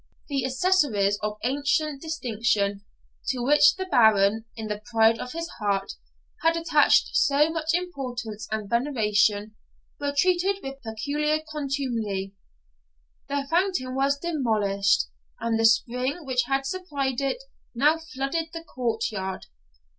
The accessaries of ancient distinction, to which the Baron, in the pride of his heart, had attached so much importance and veneration, were treated with peculiar contumely. The fountain was demolished, and the spring which had supplied it now flooded the court yard.